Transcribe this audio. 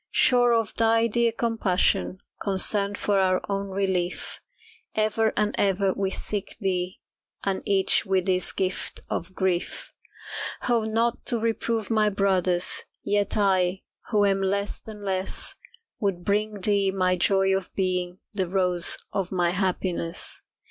Sure of thy dear compassion, Concerned for our own relief, Ever and ever we seek thee, And each with his gift of grief. Oh, not to reprove my brothers, Yet I, who am less than less, Would bring thee my joy of being The rose of my happiness.